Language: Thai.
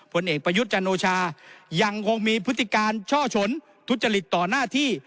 ผลเอกประยุทธ์จันโอชายังคงมีพฤติการช่อฉนทุจริตต่อหน้าที่